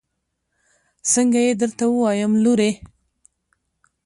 څنګه يې درته ووايم لورې.